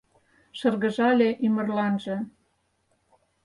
Шыргыжале ӱмырланже.